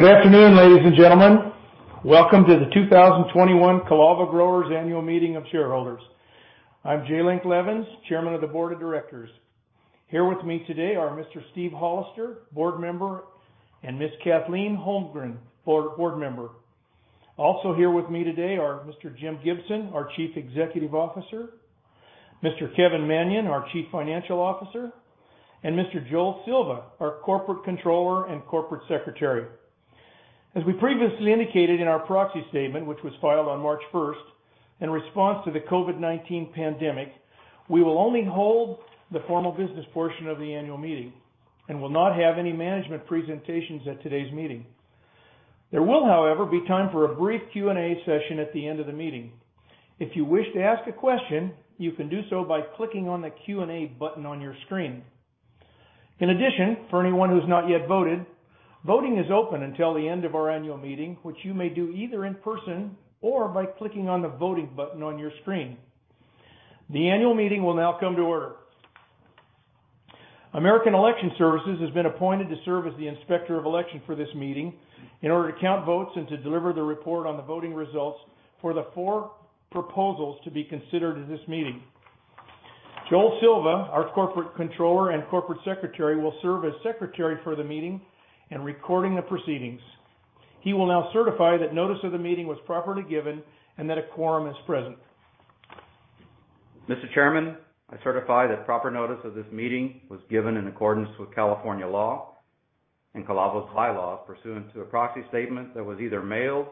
Good afternoon, ladies and gentlemen. Welcome to the 2021 Calavo Growers annual meeting of shareholders. I'm J. Link Leavens, Chairman of the Board of Directors. Here with me today are Mr. Steve Hollister, Board Member, and Ms. Kathleen Holmgren, Board Member. Also here with me today are Mr. Jim Gibson, our Chief Executive Officer, Mr. Kevin Manion, our Chief Financial Officer, and Mr. Joel Silva, our Corporate Controller and Corporate Secretary. As we previously indicated in our proxy statement, which was filed on March 1st, in response to the COVID-19 pandemic, we will only hold the formal business portion of the annual meeting and will not have any management presentations at today's meeting. There will, however, be time for a brief Q&A session at the end of the meeting. If you wish to ask a question, you can do so by clicking on the Q&A button on your screen. In addition, for anyone who's not yet voted, voting is open until the end of our annual meeting, which you may do either in person or by clicking on the voting button on your screen. The annual meeting will now come to order. American Election Services has been appointed to serve as the Inspector of Election for this meeting in order to count votes and to deliver the report on the voting results for the four proposals to be considered at this meeting. Joel Silva, our Corporate Controller and Corporate Secretary, will serve as Secretary for the meeting and recording the proceedings. He will now certify that notice of the meeting was properly given and that a quorum is present. Mr. Chairman, I certify that proper notice of this meeting was given in accordance with California law and Calavo's bylaws pursuant to a proxy statement that was either mailed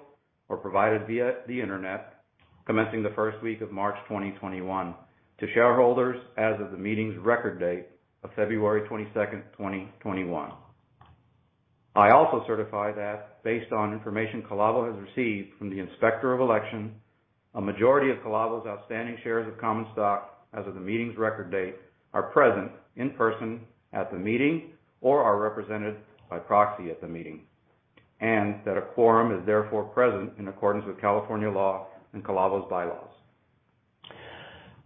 or provided via the internet, commencing the first week of March 2021 to shareholders as of the meeting's record date of February 22nd, 2021. I also certify that based on information Calavo has received from the Inspector of Election, a majority of Calavo's outstanding shares of common stock as of the meeting's record date, are present in person at the meeting or are represented by proxy at the meeting, and that a quorum is therefore present in accordance with California law and Calavo's bylaws.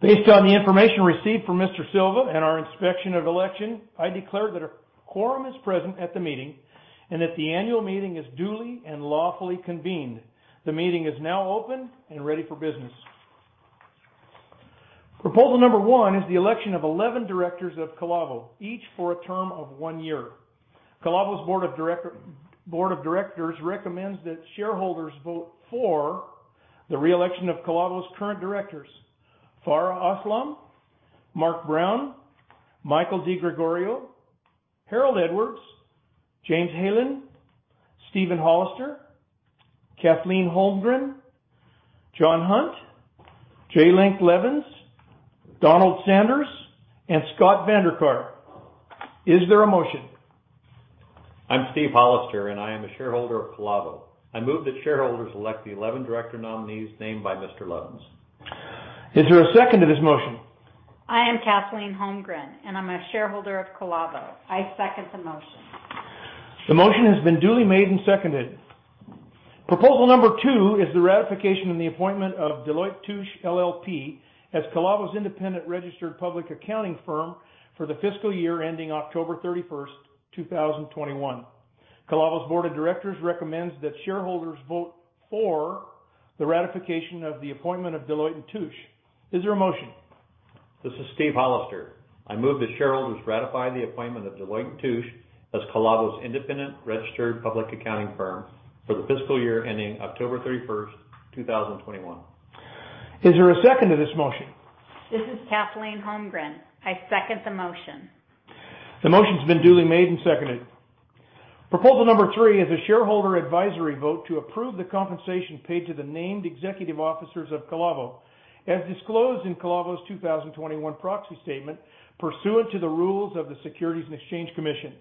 Based on the information received from Mr. Silva and our Inspector of Election, I declare that a quorum is present at the meeting and that the annual meeting is duly and lawfully convened. The meeting is now open and ready for business. Proposal number one is the election of 11 directors of Calavo, each for a term of one year. Calavo's Board of Directors recommends that shareholders vote for the re-election of Calavo's current directors, Farha Aslam, Marc Brown, Michael DiGregorio, Harold Edwards, James Helin, Steven Hollister, Kathleen Holmgren, John Hunt, J. Link Leavens, Donald Sanders, and Scott Van Der Kar. Is there a motion? I'm Steve Hollister, and I am a shareholder of Calavo. I move that shareholders elect the 11 director nominees named by Mr. Leavens. Is there a second to this motion? I am Kathleen Holmgren, and I'm a shareholder of Calavo. I second the motion. The motion has been duly made and seconded. Proposal number two is the ratification and the appointment of Deloitte & Touche LLP as Calavo's independent registered public accounting firm for the fiscal year ending October 31st, 2021. Calavo's Board of Directors recommends that shareholders vote for the ratification of the appointment of Deloitte & Touche. Is there a motion? This is Steve Hollister. I move that shareholders ratify the appointment of Deloitte & Touche as Calavo's independent registered public accounting firm for the fiscal year ending October 31st, 2021. Is there a second to this motion? This is Kathleen Holmgren. I second the motion. The motion's been duly made and seconded. Proposal number three is a shareholder advisory vote to approve the compensation paid to the named executive officers of Calavo, as disclosed in Calavo's 2021 proxy statement, pursuant to the rules of the Securities and Exchange Commission,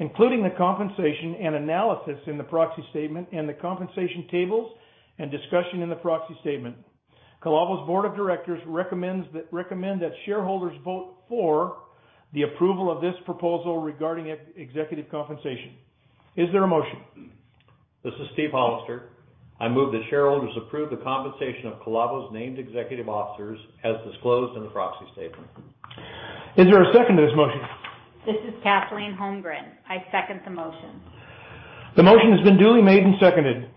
including the compensation and analysis in the proxy statement and the compensation tables and discussion in the proxy statement. Calavo's Board of Directors recommend that shareholders vote for the approval of this proposal regarding executive compensation. Is there a motion? This is Steve Hollister. I move that shareholders approve the compensation of Calavo's named executive officers as disclosed in the proxy statement. Is there a second to this motion? This is Kathleen Holmgren. I second the motion. The motion has been duly made and seconded.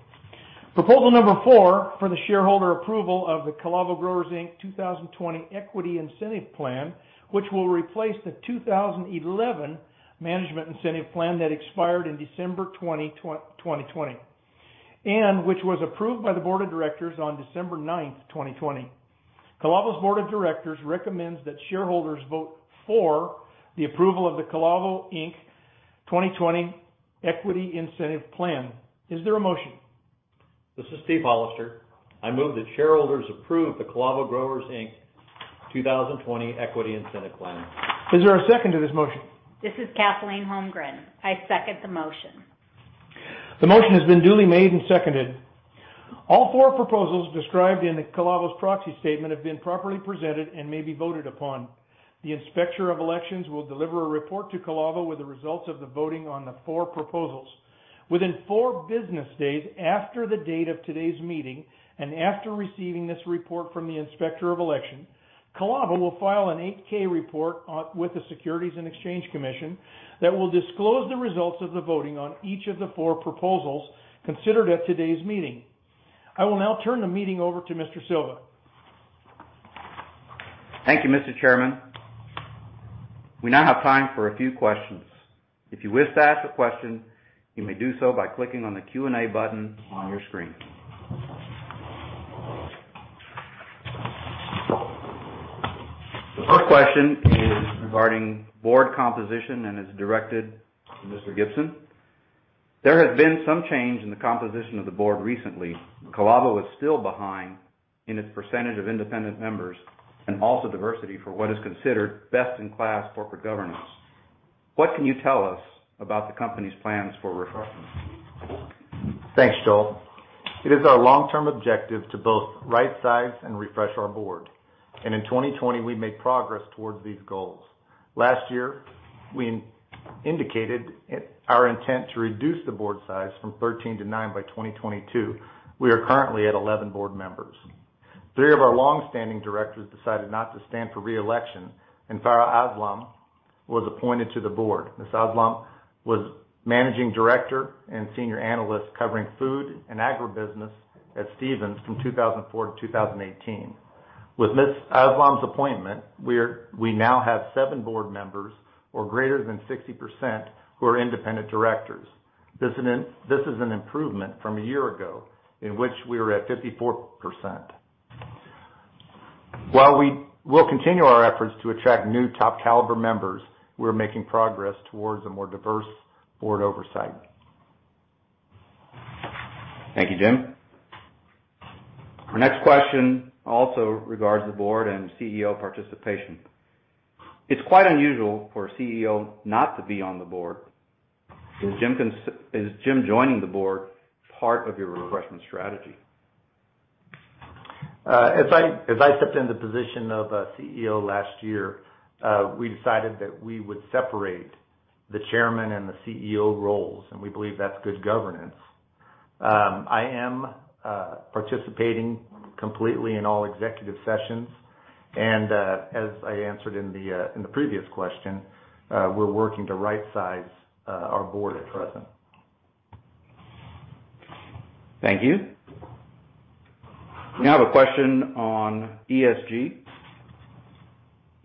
Proposal number four for the shareholder approval of the Calavo Growers, Inc 2020 Equity Incentive Plan, which will replace the 2011 Management Incentive Plan that expired in December 2020, and which was approved by the Board of Directors on December 9, 2020. Calavo's Board of Directors recommends that shareholders vote for the approval of the Calavo Growers, Inc 2020 Equity Incentive Plan. Is there a motion? This is Steve Hollister. I move that shareholders approve the Calavo Growers, Inc 2020 Equity Incentive Plan. Is there a second to this motion? This is Kathleen Holmgren. I second the motion. The motion has been duly made and seconded. All four proposals described in Calavo's proxy statement have been properly presented and may be voted upon. The Inspector of Elections will deliver a report to Calavo with the results of the voting on the four proposals. Within four business days after the date of today's meeting and after receiving this report from the Inspector of Election, Calavo will file an 8-K report with the Securities and Exchange Commission that will disclose the results of the voting on each of the four proposals considered at today's meeting. I will now turn the meeting over to Mr. Silva. Thank you, Mr. Chairman. We now have time for a few questions. If you wish to ask a question, you may do so by clicking on the Q&A button on your screen. The first question is regarding board composition and is directed to Mr. Gibson. There has been some change in the composition of the board recently. Calavo is still behind in its percentage of independent members and also diversity for what is considered best-in-class corporate governance. What can you tell us about the company's plans for refreshment? Thanks, Joel. It is our long-term objective to both rightsize and refresh our board. In 2020, we made progress towards these goals. Last year, we indicated our intent to reduce the board size from 13 to nine by 2022. We are currently at 11 board members. Three of our longstanding directors decided not to stand for re-election, and Farha Aslam was appointed to the board. Ms. Aslam was Managing Director and Senior Analyst covering food and agribusiness at Stephens from 2004 to 2018. With Ms. Aslam's appointment, we now have seven board members or greater than 60%, who are independent directors. This is an improvement from a year ago in which we were at 54%. While we will continue our efforts to attract new top-caliber members, we're making progress towards a more diverse board oversight. Thank you, Jim. Our next question also regards the board and CEO participation. It's quite unusual for a CEO not to be on the board. Is Jim joining the board part of your refreshment strategy? As I stepped into the position of CEO last year, we decided that we would separate the Chairman and the CEO roles, and we believe that's good governance. I am participating completely in all executive sessions, and, as I answered in the previous question, we're working to rightsize our board at present. Thank you. We now have a question on ESG.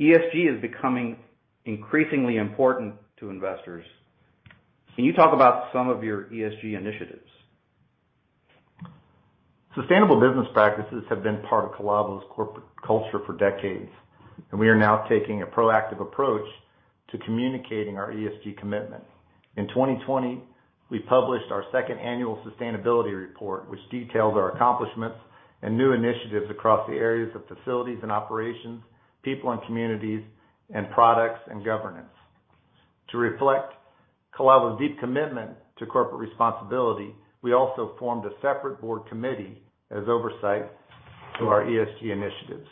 ESG is becoming increasingly important to investors. Can you talk about some of your ESG initiatives? Sustainable business practices have been part of Calavo's corporate culture for decades, and we are now taking a proactive approach to communicating our ESG commitment. In 2020, we published our second annual sustainability report, which detailed our accomplishments and new initiatives across the areas of facilities and operations, people and communities, and products and governance. To reflect Calavo's deep commitment to corporate responsibility, we also formed a separate board committee as oversight to our ESG initiatives.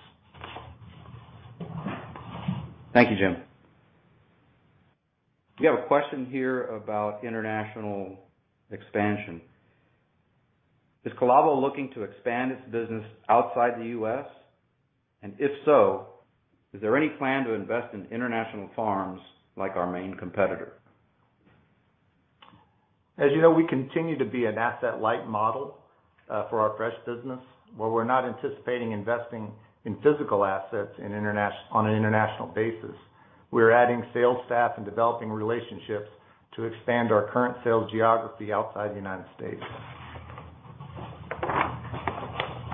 Thank you, Jim. We have a question here about international expansion. Is Calavo looking to expand its business outside the U.S.? If so, is there any plan to invest in international farms like our main competitor? As you know, we continue to be an asset-light model for our fresh business. While we're not anticipating investing in physical assets on an international basis, we're adding sales staff and developing relationships to expand our current sales geography outside the United States.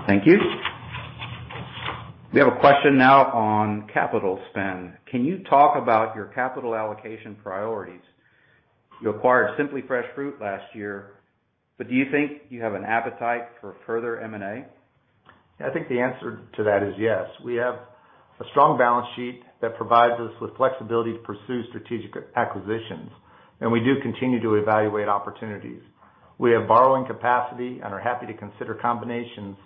Thank you. We have a question now on capital spend. Can you talk about your capital allocation priorities? You acquired Simply Fresh Fruit last year, but do you think you have an appetite for further M&A? I think the answer to that is yes. We have a strong balance sheet that provides us with flexibility to pursue strategic acquisitions, and we do continue to evaluate opportunities. We have borrowing capacity and are happy to consider combinations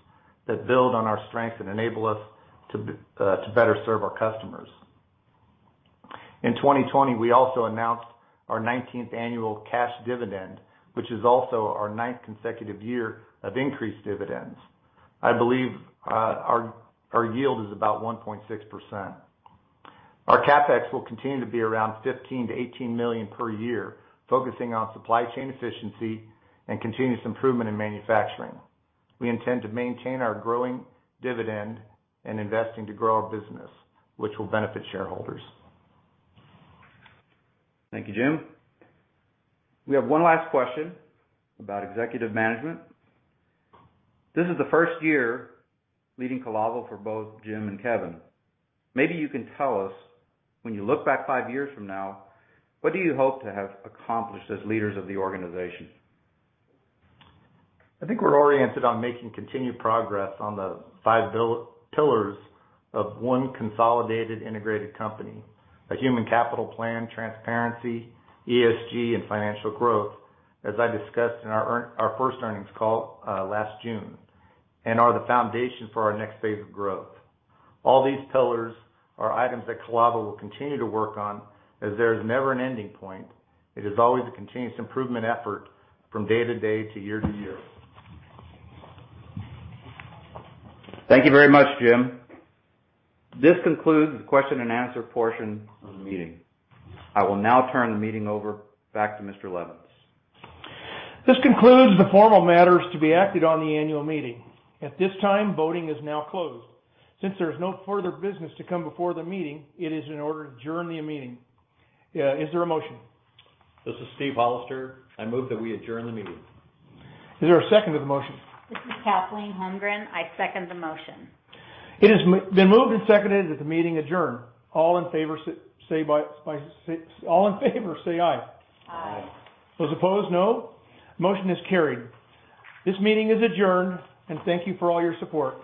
that build on our strengths and enable us to better serve our customers. In 2020, we also announced our 19th annual cash dividend, which is also our ninth consecutive year of increased dividends. I believe our yield is about 1.6%. Our CapEx will continue to be around $15 million-$18 million per year, focusing on supply chain efficiency and continuous improvement in manufacturing. We intend to maintain our growing dividend and investing to grow our business, which will benefit shareholders. Thank you, Jim. We have one last question about executive management. This is the first year leading Calavo for both Jim and Kevin. Maybe you can tell us, when you look back five years from now, what do you hope to have accomplished as leaders of the organization? I think we're oriented on making continued progress on the five pillars of one consolidated integrated company. A human capital plan, transparency, ESG, and financial growth, as I discussed in our first earnings call last June, and are the foundation for our next phase of growth. All these pillars are items that Calavo will continue to work on as there is never an ending point. It is always a continuous improvement effort from day to day to year to year. Thank you very much, Jim. This concludes the question-and-answer portion of the meeting. I will now turn the meeting over back to Mr. Leavens. This concludes the formal matters to be acted on the annual meeting. At this time, voting is now closed. Since there is no further business to come before the meeting, it is in order to adjourn the meeting. Is there a motion? This is Steve Hollister. I move that we adjourn the meeting. Is there a second to the motion? This is Kathleen Holmgren. I second the motion. It has been moved and seconded that the meeting adjourn. All in favor say aye. Aye. Those opposed, no. Motion is carried. This meeting is adjourned, and thank you for all your support.